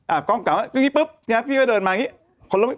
กล้องเก่าว่ากึ้งปุ๊บเนี้ยพี่ก็เดินมาอย่างงี้